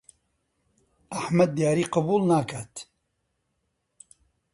ئەحمەد دیاری قبوڵ ناکات.